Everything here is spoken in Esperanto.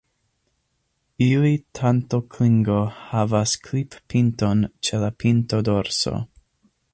Iuj tanto-klingo havas klip-pinton ĉe la pinto-dorso.